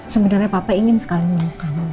sebenernya papa ingin sekali menunggu kamu